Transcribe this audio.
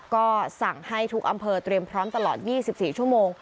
ก็สั่งให้ทุกอำเภอเตรียมพร้อมตลอด๒๔ชั่วโมง